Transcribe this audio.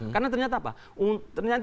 karena ternyata apa ternyata